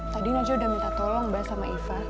tadi najwa udah minta tolong bahas sama iva